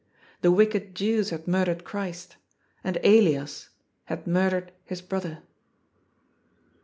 The wicked Jews had murdered Christ And Elias had murdered his brother.